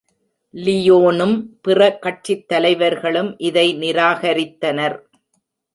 லியோனும் பிற கட்சித்தலைவர்களும் இதை நிராகரித்தனர்.